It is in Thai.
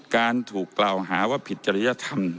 การถูกกล่าวหาว่าผิดจริยธรรม